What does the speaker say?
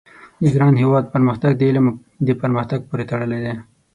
د ګران هېواد پرمختګ د علم د پرمختګ پوري تړلی دی